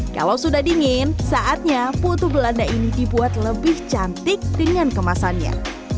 kalau sudah dingin saatnya putu belanda ini dibuat lebih cantik dengan kemasannya